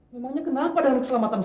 memangnya kenapa dengan keselamatan